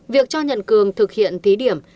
việc cho nhật cường thực hiện thí điểm